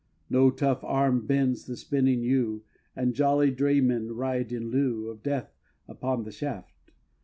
No tough arm bends the spinning yew, And jolly draymen ride, in lieu Of Death, upon the shaft!